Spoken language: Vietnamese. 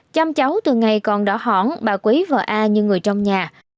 chăm cháu từ ngày còn đỏ bà quý vợ a như người trong nhà